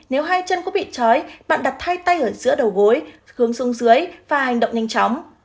nếu hai chân có bị chói bạn đặt thay tay ở giữa đầu gối hướng xuống dưới và hành động nhanh chóng